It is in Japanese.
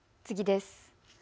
次です。